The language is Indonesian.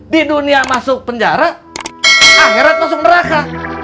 di dunia masuk penjara akhirat masuk mereka